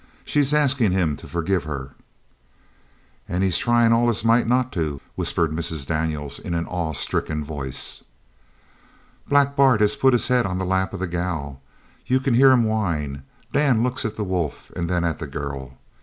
She's askin' him to forgive her." "An' he's tryin' all his might not to," whispered Mrs. Daniels in an awe stricken voice. "Black Bart has put his head on the lap of the gal. You c'n hear him whine! Dan looks at the wolf an' then at the girl.